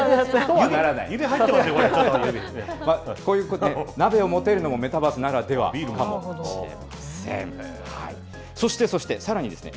こういうこと、鍋を持てるのもメタバースならではかもしれないですね。